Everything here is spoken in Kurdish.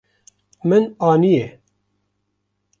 Min aniye.